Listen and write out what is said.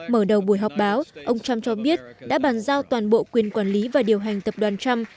mở đầu buổi họp báo ông trump cho biết đã bàn giao toàn bộ quyền quản lý và điều hành tập đoàn trump